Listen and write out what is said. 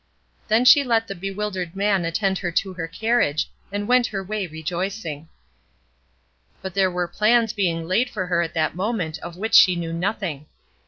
Then she let the bewildered man attend her to her carriage, and went her way rejoicing. But there were plans being laid for her at that moment of which she knew nothing.